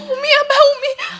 umi abah umi